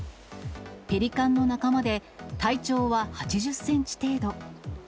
ペリカンの仲間で、体長は８０センチ程度。